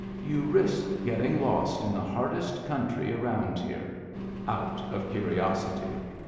You risk getting lost in the hardest country around here — out of curiosity.